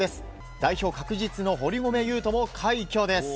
代表確実の堀米雄斗も快挙です。